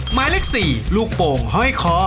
หมายเลข๔ลูกโป่งห้อยคอ